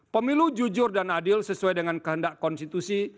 pemilu jujur dan adil sesuai dengan kehendak konstitusi